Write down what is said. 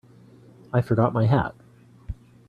I forgot my hat.